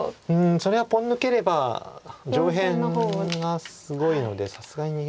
それはポン抜ければ上辺がすごいのでさすがに逃げると。